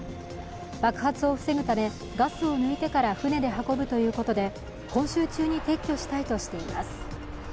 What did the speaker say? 爆発を防ぐため、ガスを抜いてから船で運ぶということで今週中に撤去したいとしています。